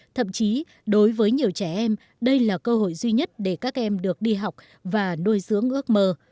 thậm chí đối với nhiều trẻ em đây là cơ hội duy nhất để các em được đi học và nuôi dưỡng ước mơ